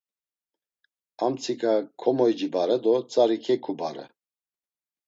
Amtsiǩa komoycibare do tzari keǩubare.